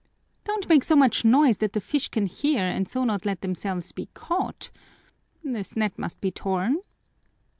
"Don't make so much noise that the fish can hear and so not let themselves be caught. This net must be torn."